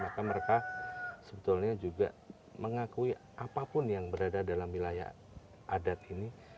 maka mereka sebetulnya juga mengakui apapun yang berada dalam wilayah adat ini